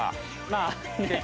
まあねえ。